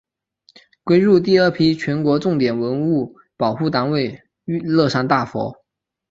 归入第二批全国重点文物保护单位乐山大佛。